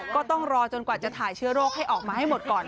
ก็ต้องรอจนกว่าจะถ่ายเชื้อโรคให้ออกมาให้หมดก่อน